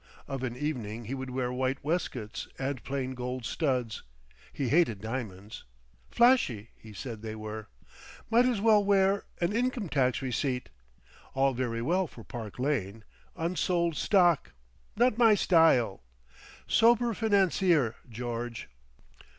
Of an evening he would wear white waistcoats and plain gold studs. He hated diamonds. "Flashy," he said they were. "Might as well wear—an income tax receipt. All very well for Park Lane. Unsold stock. Not my style. Sober financier, George."